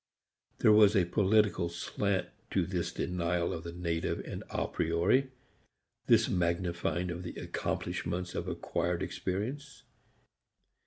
There was a political slant to this denial of the native and a priori, this magnifying of the accomplishments of acquired experience.